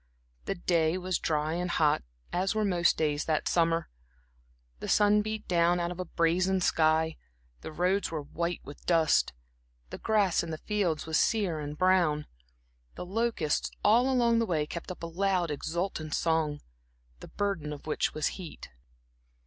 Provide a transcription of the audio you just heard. The day was dry and hot, as were most days that summer. The sun beat down out of a brazen sky, the roads were white with dust, the grass in the fields was sere and brown. The locusts all along the way kept up a loud, exultant song, the burden of which was heat.